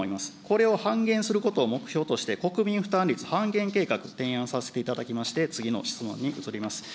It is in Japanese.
これを半減することを目標として、国民負担率半減計画、提案させていただきまして、次の質問に移ります。